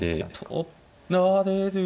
取られるか。